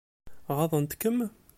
Ɣaḍent-kem?